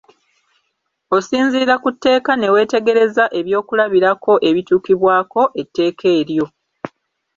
Osinziira ku tteeka ne weetegereza eby'okulabirako ebituukibwako etteeka eryo.